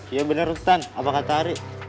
iya bener tuh tan apa kata ari